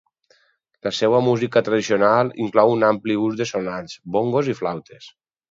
La seva música tradicional inclou un ampli ús de sonalls, bongos, i flautes.